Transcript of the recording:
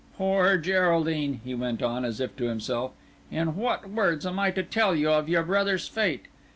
Poor Geraldine," he went on, as if to himself, "in what words am I to tell you of your brother's fate?